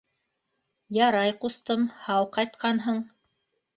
— Ярай, ҡустым, һау ҡайтҡанһың.